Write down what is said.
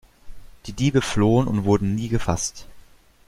Die Diebe flohen und wurden nie gefasst.